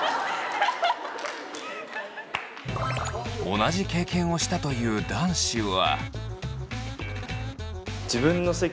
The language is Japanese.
同じ経験をしたという男子は。